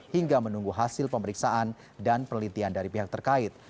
hingga menunggu hasil pemeriksaan dan penelitian dari pihak terkait